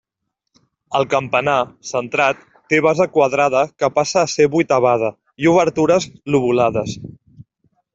El campanar, centrat, té base quadrada que passa a ser vuitavada i obertures lobulades.